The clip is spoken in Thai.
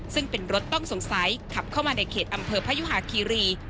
ซึ่งเป็นรถต้องสงสัยขับเข้ามาในเขตอำเภอพยุหาคีรี